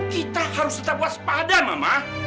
kita harus tetap waspada mama